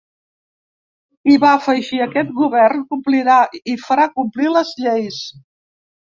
I va afegir: Aquest govern complirà i farà complir les lleis.